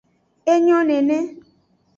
Enyo nene.